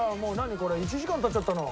これ１時間経っちゃったの？